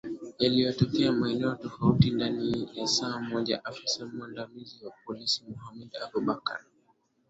yaliyo tokea maeneo tofauti ndani saa moja afisa mwandamizi wa polisi mohamed abubakar